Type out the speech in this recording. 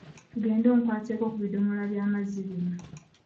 Tugende onkwatireko ku biddomola by'amazzi bino